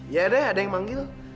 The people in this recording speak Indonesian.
ya ada yang manggil